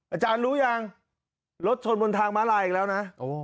อาจารย์รู้ยังรถชนบนทางม้าลายอีกแล้วนะ